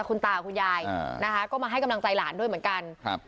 คุณตาแล้วกับขุนยายก็มาให้กำลังใจหลานด้วยเหมือนกัน